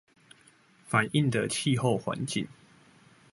反映的氣候環境